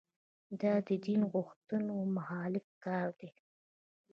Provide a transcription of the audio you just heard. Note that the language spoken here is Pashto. دا د دین غوښتنو مخالف کار دی.